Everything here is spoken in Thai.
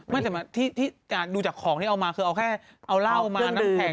ที่ดูจากของที่เอามาคือเอาแค่เอาเหล้ามาน้ำแข็ง